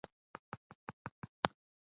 دوی پاڼ پر انګریزانو اړولی وو.